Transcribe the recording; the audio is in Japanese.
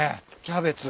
キャベツ。